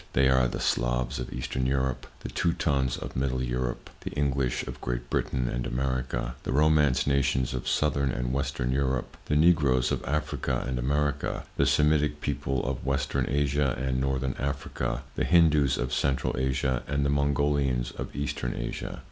They are, the Slavs of eastern Europe, the Teutons of middle Europe, the English of Great Britain and America, the[Pg 8] Romance nations of Southern and Western Europe, the Negroes of Africa and America, the Semitic people of Western Asia and Northern Africa, the Hindoos of Central Asia and the Mongolians of Eastern Asia.